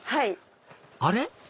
あれ？